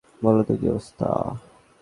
বলো তো কী অবস্থা!